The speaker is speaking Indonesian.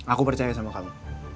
aku percaya sama kamu